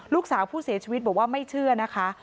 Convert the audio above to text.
ลูกสาวผู้เสียชีวิตบอกว่าไม่เชื่อนะคะ